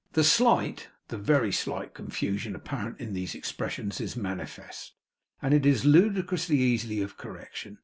The slight, the very slight, confusion apparent in these expressions is manifest, and is ludicrously easy of correction.